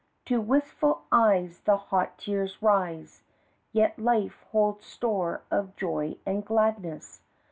To wistful eyes, the hot tears rise Yet life holds store of joy and gladness.